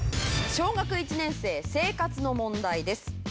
小学１年生生活の問題です。